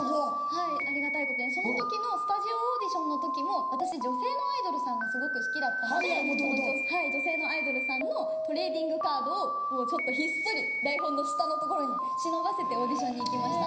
はいありがたいことにその時のスタジオオーディションの時も私女性のアイドルさんがすごく好きだったのでその女性のアイドルさんのトレーディングカードをもうちょっとひっそり台本の下のところに忍ばせてオーディションに行きました。